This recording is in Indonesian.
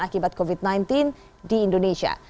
akibat covid sembilan belas di indonesia